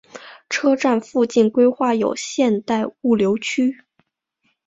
车站附近规划有现代物流区。